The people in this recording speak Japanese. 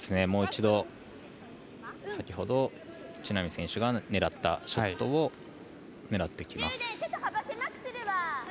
もう一度先ほど知那美選手が狙ったショットを狙ってきます。